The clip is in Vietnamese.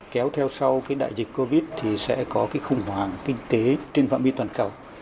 kéo theo sau đại dịch covid thì sẽ có khủng hoảng kinh tế trên phạm biên toàn cầu